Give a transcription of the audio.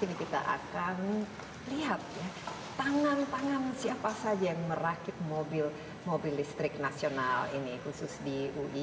kini kita akan lihat ya tangan tangan siapa saja yang merakit mobil mobil listrik nasional ini khusus di ui